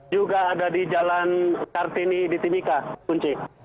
juga ada di jalan kartini di timikian